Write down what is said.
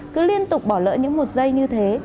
cứ liên tục bỏ lỡ những một giây như thế